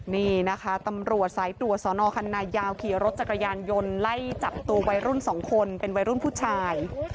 นี่นะคะตำรวจสายตรวจสอนอคันนายาวขี่รถจักรยานยนต์ไล่จับตัววัยรุ่นสองคนเป็นวัยรุ่นผู้ชาย